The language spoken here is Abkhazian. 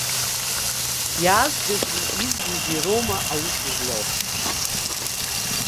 Иаазгази изҩызи роума аус злоу.